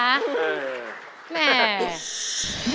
แหม